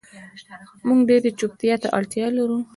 مونږ ډیرې چوپتیا ته اړتیا لرو